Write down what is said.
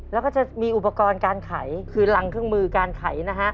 แล้วก็จะมีอุปกรณ์การไขคือรังเครื่องมือการไขนะฮะ